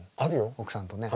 奥さんとねえ。